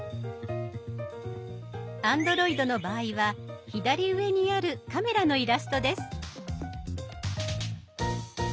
Ａｎｄｒｏｉｄの場合は左上にあるカメラのイラストです。